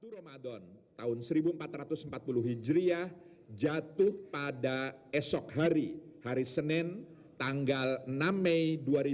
satu ramadan tahun seribu empat ratus empat puluh hijriah jatuh pada esok hari hari senin tanggal enam mei dua ribu dua puluh